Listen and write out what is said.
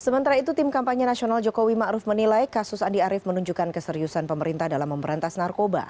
sementara itu tim kampanye nasional jokowi ⁇ maruf ⁇ menilai kasus andi arief menunjukkan keseriusan pemerintah dalam memberantas narkoba